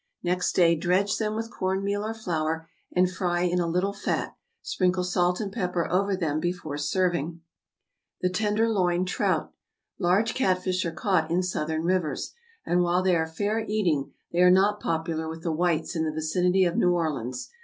Next day dredge them with corn meal or flour, and fry in a little fat; sprinkle salt and pepper over them before serving. =The Tenderloin Trout.= Large catfish are caught in Southern rivers; and while they are fair eating, they are not popular with the whites in the vicinity of New Orleans.